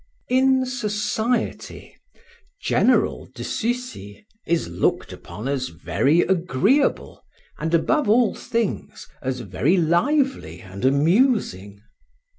In society General de Sucy is looked upon as very agreeable, and above all things, as very lively and amusing.